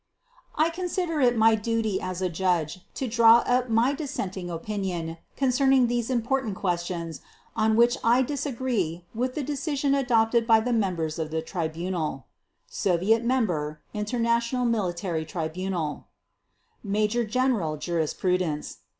I consider it my duty as a Judge to draw up my dissenting opinion concerning those important questions on which I disagree with, the decision adopted by the members of the Tribunal, Soviet Member, International Military Tribunal, Major General Jurisprudence.